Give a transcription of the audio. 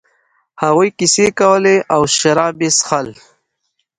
هغوی کیسې کولې او شراب یې ایشخېشل.